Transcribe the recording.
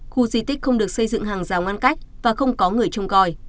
khu di tích không được xây dựng hàng rào ngăn cách và không có người trông coi